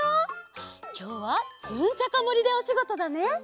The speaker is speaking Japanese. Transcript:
きょうはズンチャカもりでおしごとだね。